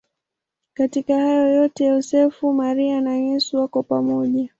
Katika hayo yote Yosefu, Maria na Yesu wako pamoja.